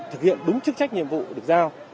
thực hiện đúng chức trách nhiệm vụ được giao